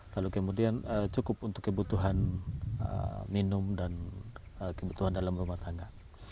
lalu kemudian cukup untuk kebutuhan minum dan kebutuhan dalam rumah tangga